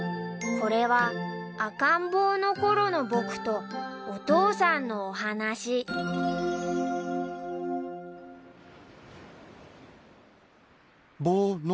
これは赤ん坊のころの僕とお父さんのお話ぼの。